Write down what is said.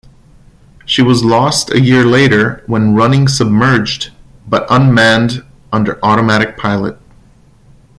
She was lost a year later when running submerged but unmanned under automatic pilot.